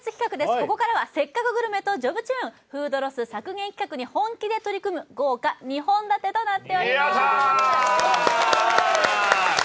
ここからは「せっかくグルメ！！」と「ジョブチューン」、フードロス削減企画に本気で取り組む豪華２本立てとなっております。